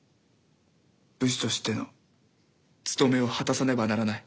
武士としての勤めを果たさねばならない。